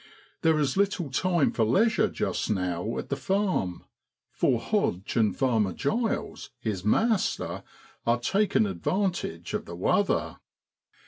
There is little time for leisure just now at the farm, for Hodge and Farmer Griles, his l maaster,' are taking advantage of the l wather.'